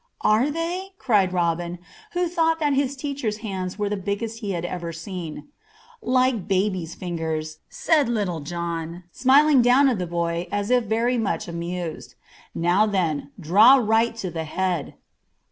"Are they?" cried Robin, who thought that his teacher's hands were the biggest he had ever seen. "Like babies' fingers," said Little John, smiling down at the boy as if very much amused. "Now then, draw right to the head."